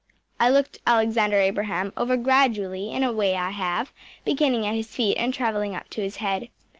‚ÄĚ I looked Alexander Abraham over gradually, in a way I have, beginning at his feet and traveling up to his head.